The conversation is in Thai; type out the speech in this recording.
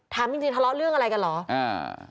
ถามจริงจริงทะเลาะเรื่องอะไรกันเหรออ่า